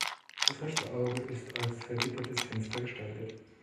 Das rechte Auge ist als vergittertes Fenster gestaltet.